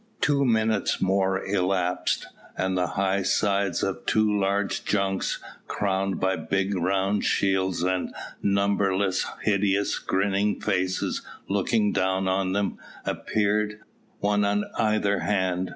Two minutes more elapsed, and the high sides of two large junks, crowned by big round shields and numberless hideous grinning faces looking down on them, appeared, one on either hand.